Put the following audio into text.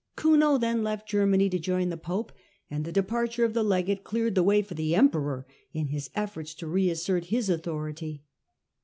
Kuno then left Germany to join the pope, and the departure of the legate cleared the way for the emperor in his efforts to reassert his own authority.